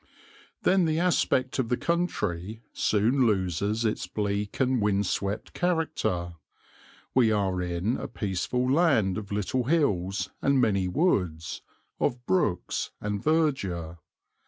Then the aspect of the country soon loses its bleak and wind swept character; we are in a peaceful land of little hills and many woods, of brooks and verdure.